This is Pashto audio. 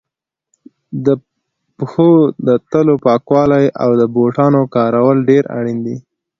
د پښو د تلو پاکوالی او د بوټانو کارول ډېر اړین دي.